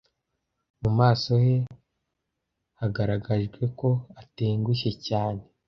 Mu maso he hagaragajwe ko atengushye cyane.